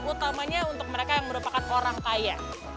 utamanya untuk mereka yang merupakan orang kaya